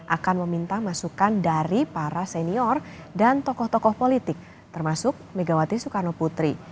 akan meminta masukan dari para senior dan tokoh tokoh politik termasuk megawati soekarno putri